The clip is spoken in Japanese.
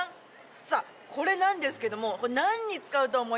さぁこれなんですけども。